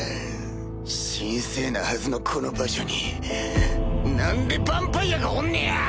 神聖なはずのこの場所に何でヴァンパイアがおんねや！